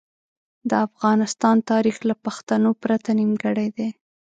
د افغانستان تاریخ له پښتنو پرته نیمګړی دی.